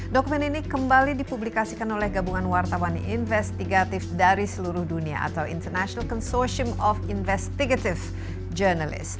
dokumen ini kembali dipublikasikan oleh gabungan wartawan investigatif dari seluruh dunia atau international consortium of investigative journalist